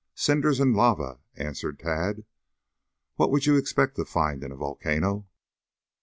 Cinders and lava," answered Tad. "What would you expect to find in a volcano?"